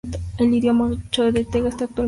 El idioma chorotega actualmente está casi extinto.